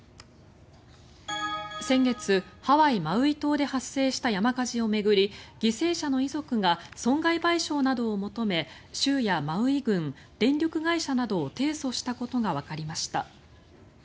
先月、ハワイ・マウイ島で発生した山火事を巡り犠牲者の遺族が損害賠償などを求め州やマウイ郡、電力会社などを提訴したことがわかりました。